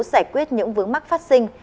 giải quyết những vướng mắc phát sinh